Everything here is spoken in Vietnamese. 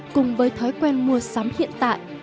cùng với thói quen mua sắm hiện tại